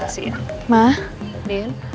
selamat malam berusaha